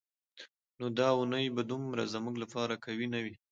نو دا اونۍ به دومره زموږ لپاره قوي نه وي.